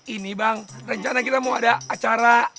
ini bang rencana kita mau ada acara